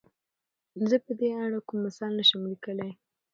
زۀ په دې اړه کوم مثال نه شم ليکلی.